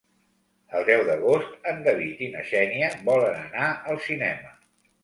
El deu d'agost en David i na Xènia volen anar al cinema.